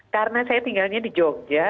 karena saya tinggalnya di jogja